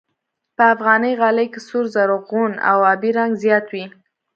په افغاني غالۍ کې سور، زرغون او آبي رنګ زیات وي.